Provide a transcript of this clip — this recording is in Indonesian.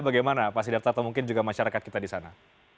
bagaimana pak sidarta atau mungkin juga masyarakat kita di sana